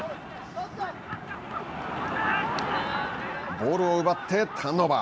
ボールを奪ってターンオーバー。